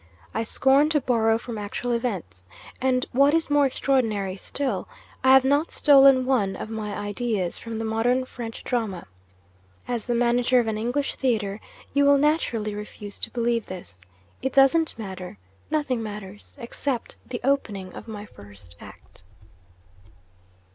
I scorn to borrow from actual events; and, what is more extraordinary still, I have not stolen one of my ideas from the Modern French drama. As the manager of an English theatre, you will naturally refuse to believe this. It doesn't matter. Nothing matters except the opening of my first act.